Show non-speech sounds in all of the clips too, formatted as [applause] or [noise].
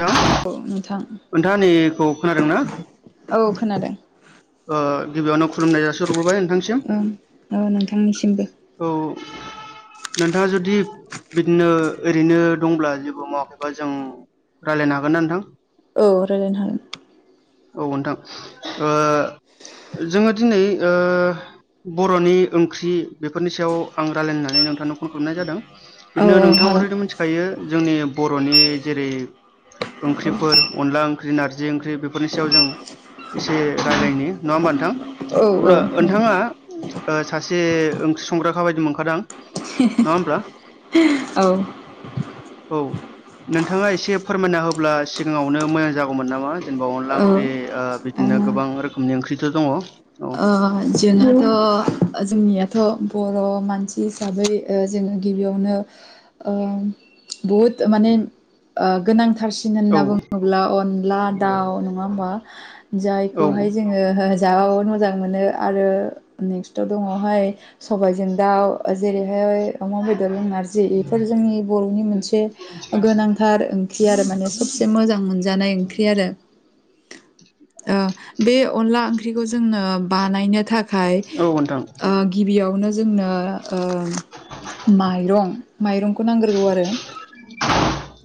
नोंथां औ नोंथां नोंथाङा आंनिखौ खोनादोंना औ खोनादों। ओ गिबियावनो खुलुमनाय जासिहरग्रोबाय नोंथांसिम। औ औ नोंथांनिसिमबो औ नोंथाङा जुदि बिदिनो ओरैनो दंब्ला जेबो मावाखैबा जों रायलायनो हागोन ना नोंथां? औ रायलायनो हागोन। औ नोंथां ओ जोङो दिनै ओ बर'नि ओंख्रि बेफोरनि सायाव आं रायलायनो होन्नानै नोंथांनो फन खालामनाय जादों। बिदिनो औ औ नोंथाङा अलरेदि हागोन मिथिखायो। जोंनि बर'नि जेरै ओंख्रिफोर अनला ओंख्रि नारजि ओंख्रि बे फोरनि सायाव जों एसे रायलायनि नङा होमबा नोंथां औ अब्ला नोंथाङा ओ सासे ओंख्रि संग्राखा बायदि मोनखादां। नङा होमब्ला औ औ नोंथाङा एसे फोरमायना होब्ला सिगाङावनो मोजां जागौमोन नामा जेनेबा अनला औ ओंख्रि अ बिदि- नो आङो गोबां रोखोमनि ओंख्रिथ' दङ औ। जोंथ'-जोंनियाथ' बर' मानसि हिसाबै ओ जोङो गिबियावनो अ बहुद माने अ गोनां- थारसिन औ होनना बुङोब्ला अनला दाउ नङा होमबा औ जायखौहाय जोङो। दाउ मोजां मोनो आरो नेक्स्टाव दङहाय सबायजों दाउ जेरैहाय अमा बेदरजों नारजि बेफोर जोंनि बर'नि मोनसे गोनांथार ओं- ख्रि आरो माने सबसे मोजां मोनजानाय ओंख्रि आरो अ बे अनला ओंख्रिखौ जोंनो नायनो थाखाय औ नोंथां अ गिबियावनो जोंनो ओ माइरं-माइरंखौ नांग्रोगौ आरो।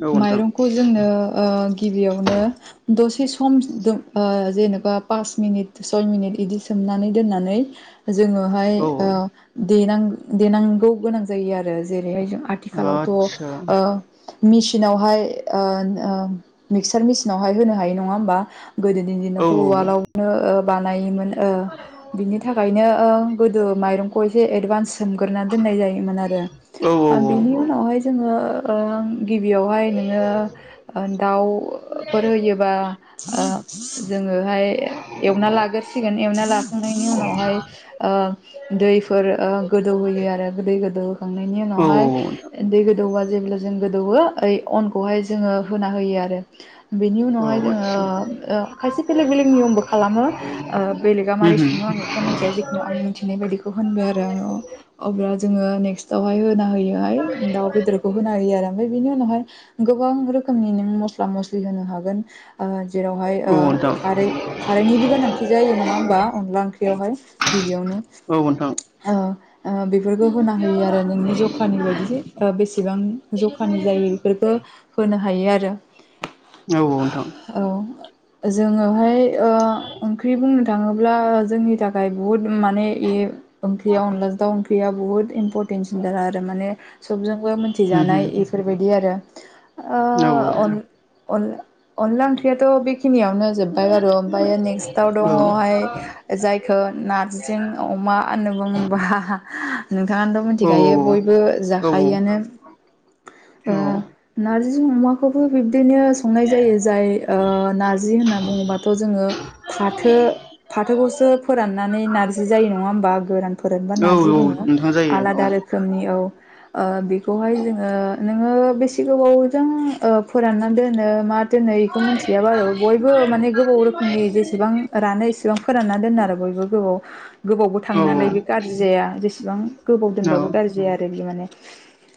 औ नोंथां माइरंखौ जोंनो ओ गिबियावनो द- से सम दुम अ जेनेबा पास मिनिट सय मिनिट बिदि सोमनानै दोननानै जोङोहाय औ अ देनां- देनांगौ गोनां जायो आरो जेरैहाय जों आथिखालावथ' आदसा ओ मेसिनावहाय अन ओ मिक्सार मिसिनावहाय होनो हायो नङा होमबा? गोदोनि औ दिनावथ' उवालावनो ओ बानायोमोन। ओ बिनि थाखायनो ओं गोदो माइरंखौ एसे एडभान्स सोमग्रोना दोननाय जायोमोन आरो औ औ औ बेनि उनावहाय जोङो ओं गिबियावहाय नोङो ओ दाउ फोर होयोबा ओ जोङोहाय एवना लागसि गोन एवना लाखांनायनि उनावहाय ओ दैफोर अ गोदौ होयो आरो गोदै-गो- दौखांनायनि औ उनावहाय नोंथां दै गोदौआ जेब्ला जों गो- दौवौ ओइ अनखौहाय जोङो होना हो आरो। बेनि औ उनावहाय जोङो आदसा ओ खायसे बेलेग-बेलेग नियमबो खालामो। ओ बेलेगा माबारै उम सङो आं उम बिखौ मिथिया जिखुनु आं मिथिनाय बायदिखौ होनबाय आरो आङो अब्ला जोङो नेक्स्टआवहाय होना होयोहाय दाउ बेदरखौ होना होयो आरो ओमफ्राय बिनि उनावहाय गोबां रोखोमनि नों मस्ला मस्लि होनो हागोन। अ जेरावहाय अ औ नोंथां खारै-खारैनिबो गोनां- थि जायो नङा होमबा अनदला ओंख्रियावहाय गिबियावनो औ नोंथां अ अ बेफोरखौ होना होयो आरो नोंनि जखानि बायदि बेसेबां जखा- नि जायो बेफोरखौ होनो हायो आरो। औ नोंथां। औ जोङोहाय ओ ओंख्रि बुंनो थाङोब्ला जोंनि थाखाय बुहुद माने ए ओंख्रिया अनला दाउ ओंख्रिया बहुत इम्परटेन्ससिनथार आरो माने सबजोंबो उम मिनथिजानाय बेफोरबायदि आरो। अ उम औ अन-अन-अनला ओंख्रियाथ' बि- खिनियावनो जोब्बाय आरो ओमफ्राय नेक्स्ट। औ दङोहाय जायखौ नारजिं अमा ओनुबम हाहा नोंथाङानोथ' औ मिथिखायो बयबो औ जाखायोआनो ओ औ नार- जि अमाखौबो बिब- दिनो संनाय जायो जाय ओ नारजि होनना बुङोबाथ' जोङो। फाथो-फाथोखौसो फोराननानै नार्जि जायो नङा होमबा गोरान फोरानबा औ नारजि औ बुङो। नोंथां जायो औ आलादा रोखोमनि औ अ बेखौहाय जोङो। नोङो बेसे गोबावजों अ फोराननानै दोनो मा- दिनै बेखौ मिथियाबा आरो बयबो माने गोबाव रोखोमनि जे- बां रानो इसेबां फोरानना दोनो आरो बयबो गोबाव- गोबावबो थां औ नालाय बे गाज्रि जाया। जेसेबां गोबाव औ दोनबाबो गाज्रि आरो बि माने।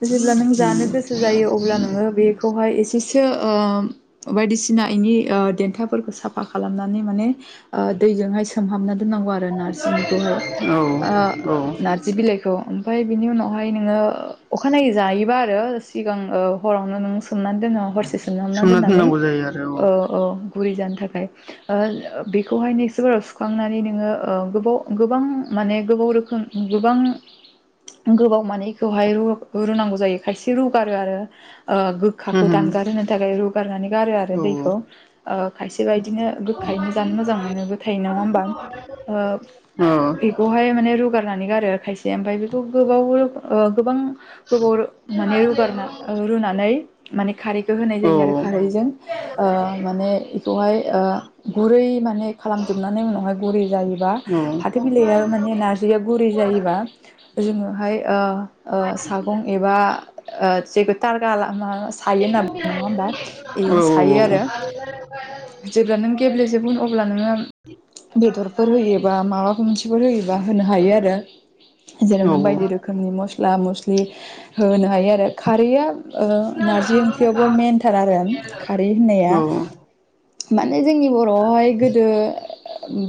जेब्ला नों उम जानो गोसो जायो अब्ला नोङो बेखौहाय एसे सो बायदिसिना इनि देन्थाफोरखौ साफा खालामनानै माने दैजोंहाय सोमहाबना दोननांगौ आरो नारजिनिखौहाय औ ओ औ नारजि बिलाइखौ। फाय बिनि उनावहाय नोङो अखानायै जायोबा आ आरो सिगां ओ हरावनो नों सोमनानै दोनो हरसे सो सोमना दोननानै दोननांगौ जायो आरो औ ओ ओ गुरै जानो थाखाय बेखौहाय नेख्स बाराव सुखांनानै नोङो ओ गोबाव गोबां माने गोबाव रोखोम गोबां। गोबाव मानेखौहाय रुनांगौ जायो खायसे रुगारो आरो। ओ गोखाखौ उम दानगार होनो थाखाय रुगारनानै गारो आरो उम दैखौ खायसे बायदिनो गोखायैनो। जानो मोजां मोनोबो थायो नंआ होमबा ओ औ बेखौहाय माने रुगा गारनानै गारो खायसे ओमफ्राय बेखौ गोबाव गोबां। गोबाव माने रुगारना ओ रुनानै माने खारैखौ होनाय जायो आरो खारैजों। ओ माने बेखौहाय ओ। गुरै माने खालामजोबनानै उनावहाय गुरै जायोबा फाथो बिलाइआ माने नार्जिया गुरै जायोबा जोङोहाय ओ ओ सागं एबा ओ जेगो थारगा ला मा सायो होनना नङा होमबा बेजों सायो आरो जेब्ला नों गेब्लेेजेबोगोन अब्ला नोङो बेदरफोर होयोबा माबाफोर मोनसे फोर होयोबा होनो हायो आरो जेराव नों बायदि रोखोमनि मस स्ला मस्लि होनो हायो आरो खारैया ओ नारजि ओंख्रियावबो मेनथार आरो खारै होननाया औ माने जोंनि बर'आवहाय गोदो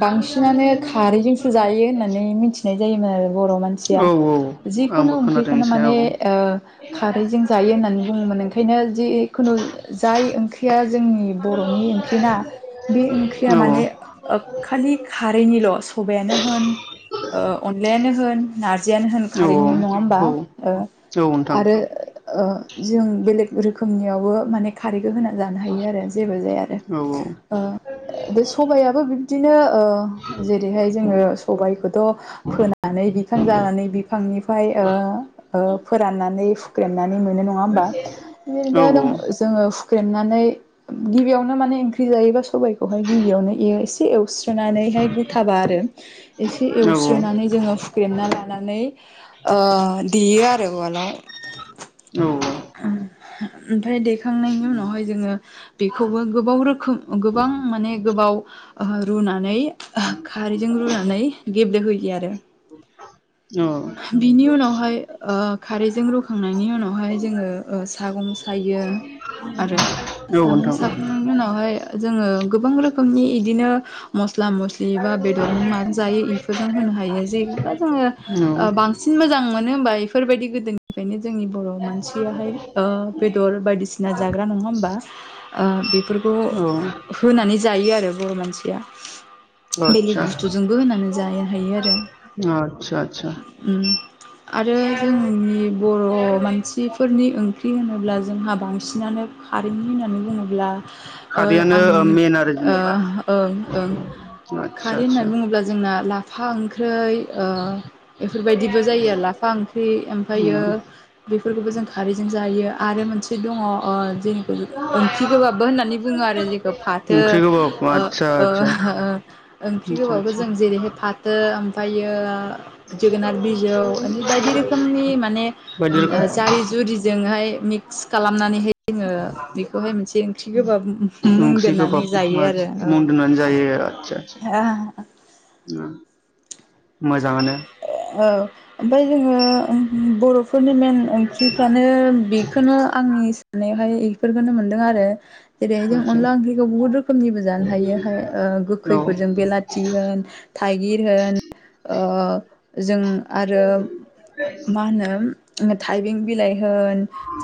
बांसिनानो खारैजोंसो जायो होननानै मिथिनाय जायोमोन आरो। बर' मानसिया औ औ जिखुनु आंबो खोनादों ओंख्रिखौनो एसे औ माने ओ खारैजों जायो होननानै बुङोमो नोंखायनो जिखुनु जाय ओंख्रिया जोंनि बर'नि ओंख्रिना बे ओंख्रिया माने ओ खालि खारैनिल' सबायाइानो होन। अनलायानो होन नारज जियानो होन खारैनि नङा होमबा औ औ ओ नोंथां आरो ओ जों बेलेग रोखोमनियावबो माने खारैखो होना जानो हायो आरो जेबो जाया आरो। औ बे सबायाइाबो बिब्दिनो ओ जेरैहाय जोङो सबायखौथ' फोनानै बिफां जानानै बिफांनिफ्राय ओ ओ फोराननानै हुख्रेमनानै मोनो नङा होमबा औ दा दं जोङो हुख्रेमनानै गिबियावनो माने ओंख्रि जायोबा साबाइखौहाय गिबियावनो एसे एवस्रोनानैहाय गुथाबा आरो एसे औ एवस्रोनानै जोङो फुख्रेमना लानानै ओ देयो आरो उवालाव औ ओमफ्राय देखांनायनि उनावहाय जोङो बेखौबो गोबाव रोखोम गोबां माने गोबाव रुनानै खारैजों रुनानै गेब्ले होयो औ बिनि उनावहाय ओ खारैजों रुखांनायनि उनावहाय जोङो ओ सागं सायो आरो औ नोंथां साखांनायनि उनावहाय जोङो गोबां रोखोमनि बिदिनो मस स्ला मस्लि बा बेदरजों मानो जायो इफोरजों होनो हायो जेबा जोङो ओ औ बांसिन मोजां मोनो होमबा बेफोरबायदि गोदोनिफ्रायनो जोंनि बर' मानसियाहाय ओ बेदर बायदिसिना जाग्रा नङा होमबा ओ बेफोर औ होनानै जायो आरो बर' मान सि बेलेग आतसा बुस्थुजोंबो होनानै जानो हायो आरो आतसा आतसा उ आरो जोंनि बर' मानसिफोरनि ओंख्रि होन होनब्ला जोंहा बांसिनानो खारै होना नै बुङोब्ला औ खारैयानो आं मेन आरो जेनेबा ओं ओं। आतसा खारै आतसा होननानै बुङोब्ला जोंना लाफा ओंख्रै औ बेफोरबायदिबो जायो लाफा ओंख्रि ओमफ्रायो बेफोरखौबो जों खारैजों जायो आरो मोनसे दङ औ जे ओंख्रि गोबाबो होननानै बुङो आरो जेखौ फाथो ओंख्रि गोबाब ओ आतसा ओ आतसा ओंख्रि आतसा गोबाबो आतसा जों जेरैहाय फाथो ओमफ्रायो जोगोनार बिजौ म बायदि रोखोमनि माने बायदि रोखोम जारि जुरिजोंहाय मि क्स खालामनानैहाय जोङो बेखौहाय मोनसे ओंख्रि गोबाब मुं ओंख्रि दोननानै गोबाब जायो आरो। मुं दोन्नानै जायो आचाह आचाह ओ उ मोजाङानो। औ ओमफ्राय जों बर'फोरनि मेेन ओंख्रिफ्रानो बेखौनो आंनि साननायावहाय बेफोरखौनो मोनदों आरो जेरैहाय जों आदसा अनला ओंख्रिखौ बुहुत रोखोमनिबो जानो हायो औ आदसा गोखैफोरजों बेलाथि होन थाइगिर होन ओ जों आरो मा होनो थाइबें बिलाइ ओ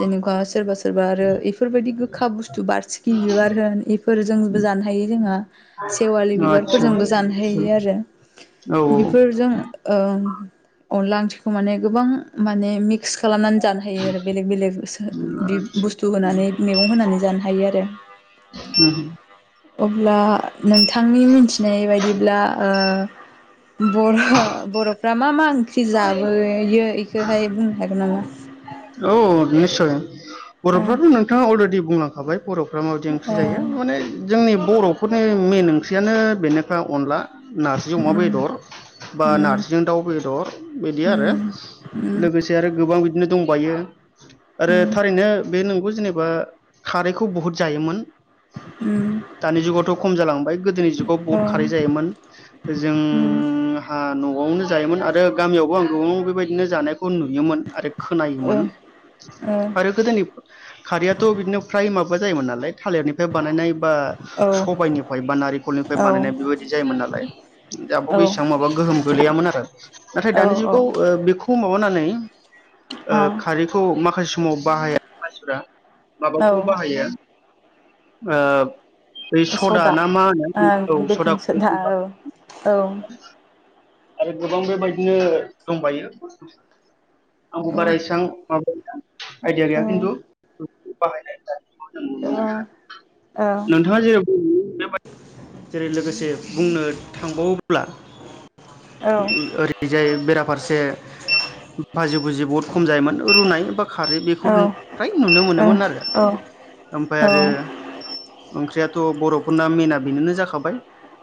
जेनेबा सोरबा सोरबा आरो बेफोरबायदि गोखा बुस्थु बारसिखि बिबार होन ए फोजोबो जानो हायो जोंहा सेवालि बिबारफोरजोंबो जानो हायो आरो। औ औ ओ बेफोरजों ओं अनला ओंख्रिखौ माने गोबां माने मि क्स खालामनानै जानो हायो आरो बेलेग बेलेग बि बुस्थु होनानै मैगं होनानै जानो हायो आरो। ह अब्ला नोंथांनि मिथिनाय बायदिब्ला ओ बर' बर'फ्रा मा मा ओंख्रि जाबोयो बेखौहाय बुंनो हागोन नामा? औ निसय औ बर'फ्राथ' नोंथाङा अलरेडि बुंलांखाबाय बर'फ्रा माबायदि औ ओंख्रि औ जायो उम माने जोंनि बर'फोरनि मेन ओंख्रियानो बेनोखा अनला नारजि अमा बेदर बा नार्जिजों दाउ बेदर बिदि आरो लोगोसे आरो गोबां बिदिनो दंबायो आरो थारैनो बे नों गौ जिनायबा खारैखौ बुहुत जायोमोन। उम। दानि जुगावथ' खम जालांबाय गोदोनि जुगाव गोबावनो जायोमोन आरो गामियावबो आं गोबां बेबायदिनो जानायखौ नुयोमोन आरो ओ खोनायोमोन आरो गोदोनि खारैयाथ' बिदिनो फ्राय माबा जायोमोन नालाय थालिरनिफ्राय बानायनाय बा ओ सबाइनिफ्राय बा नारेंखलनिफ्राय औ बानायनाय बेबायदि जायोमोन नालाय जाब बेसेबां माबा गोहोम गोलैयामोन आरो नाथाय दानि औ औ जुगाव ओ नै अ खारैखौ माखासे समाव बाहाया मानसिफ्रा। औ माबाखौ बाहायो ओ बै सदा ना मा ओ होनो औ बेकिं सदाखौ सदा औ औ [unintelligible] आरो गोबां बेबायदिनो दंबायो। आंखौ औ बारा इसबां माबाय आइदिया औ गैया खिन्थु बे बाहायनाय औ [unintelligible] औ [unintelligible] नोंथाङा जेराव बुं जेरै लोगोसे बुंनो थांबावोब्ला ओरैजाय बेराफारसे बाजि गुजि बहुद खम जायोमोन रुनाय बा खारै औ बेखौ फ्राय नुनो मोनोमोन आरो औ । ओमफ्राय आरो ओंख्रिया' थ' बर'फोरना मेना बेनोनो जाखाबाय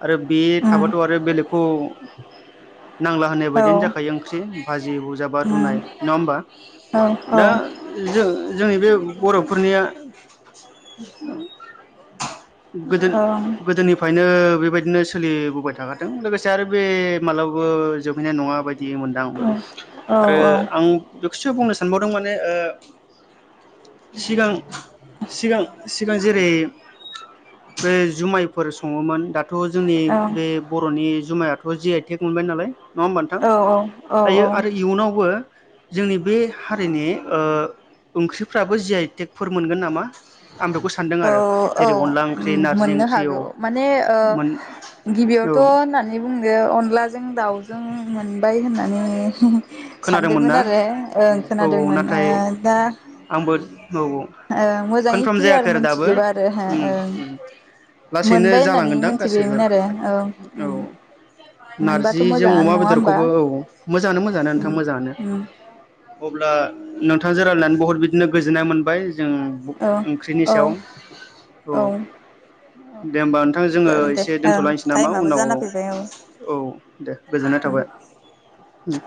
आरो बे थाबाथ' आरो बेलेगखौ नांला होनाय बायदियानो जाखायो ओंख्रि भाजि बुजाबा उम रुनाय नङा होमबा? औ उम औ दा ओं जों जोंनि बे बर'फोरनिया गोदो गोदोनिफ्रायनो बेबायदिनो सोलिबोबाय थाखादों लोगोसे आरो बे मालाबाबो जोबहैनाय नङा बायदि मोनदों आंबो औ औ औ आरो आं खौसो बुंनो सानबावदों माने ओ सिगां सिगां सिगां जेरै बे जुमायफोर सङोमोन दा दाथ' जोंनि बे बर'नि जुमायाथ' जि आइ टेक मोनबाय नालाय नङा होमबा नोंथां दायो आरो इयुनावबो जोंनि बे हारिनि ओंख्रिफ्राबो जि आइ टेकफोर मोनगोन नामा आं बेखौ सान्दों औ आरो औ जेरै अनला ओंख्रि नारजि मोननो ओंख्रि हागौ माने ओ औ मोन गिबियावथ' औ होननानै बुंदो अनलाजों दाउजों मोनबाय होननानै खोनादोंमोन ना सानदोंमोन आरो ओ औ औ खोनादोंमोन नाथाय दा आंबो औ औ ओं मोजाङै कनफार्म क्लियार जायाखै आरो दाबो मोनथिजोबा आरो हो ओं लासैनो मोनबाय होननानै जालांगोनदां गासैबो मोनथिबायमोन आरो औ औ उम मोनबाथ' नारजिजों मोजाङानो अमा नङा होमबा बेदरखौबो औ मोजाङानो मोजाङानो नोंथां उम मोजाङानो उम अब्ला नोंथांजों रायलायनानै बहुद बिदिनो गोजोननाय मोनबाय जों औ ओंख्रिनि औ सायाव औ दे होमबा नोंथां जोङो जागोन दे एसे ओं दोनथ'लायनोसै नामा टाइमाबो उनाव जाना फैबाय औ औ दे गोजोनथों उम थाबाय उम